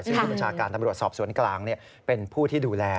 ซึ่งผู้บัญชาการตำรวจสอบสวนกลางเป็นผู้ที่ดูแล